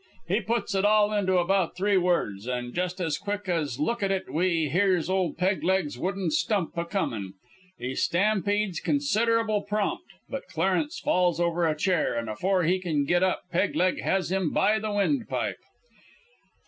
He puts it all into about three words, an' just as quick as look at it we hears ol' Peg leg's wooden stump a comin'. We stampedes considerable prompt, but Clarence falls over a chair, an' before he kin get up Peg leg has him by the windpipe.